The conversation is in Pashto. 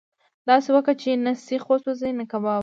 داسي وکه چې نه سيخ وسوځي نه کباب.